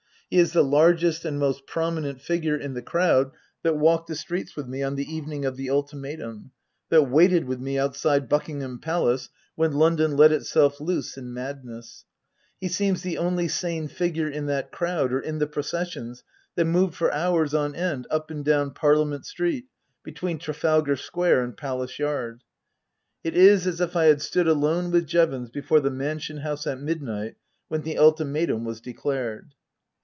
He is the largest and most prominent figure in the crowd that walked the streets with me on the evening of the Ultimatum, that waited with me outside Buckingham Palace, when London let itself loose in madness ; he seems the only sane figure in that crowd or in the processions that moved for hours on end up and down Parliament Street, between Trafalgar Square and Palace Yard. It is as if I had stood alone with Jevons before the Mansion House at midnight when the Ultimatum was declared.